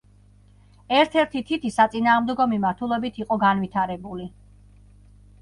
ერთ-ერთი თითი საწინააღმდეგო მიმართულებით იყო განვითარებული.